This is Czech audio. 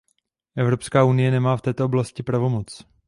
Evropská unie nemá v této oblasti pravomoc.